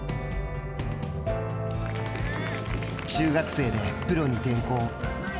中学生でプロに転向。